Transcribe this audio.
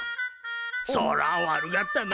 そら悪がったな。